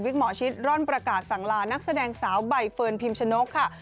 หมอชิดร่อนประกาศสั่งลานักแสดงสาวใบเฟิร์นพิมชนกค่ะ